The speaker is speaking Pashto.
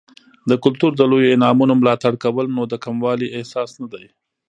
د کلتور د لویو انعامونو ملاتړ کول، نو د کموالي احساس نه دی.